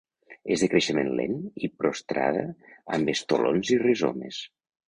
És de creixement lent i prostrada amb estolons i rizomes.